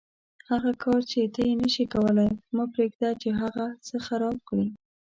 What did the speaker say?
هغه کار چې ته یې نشې کولای مه پرېږده چې هغه څه خراب کړي.